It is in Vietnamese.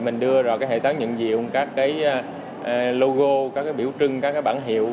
mình đưa ra hệ thống nhận diện các logo các biểu trưng các bản hiệu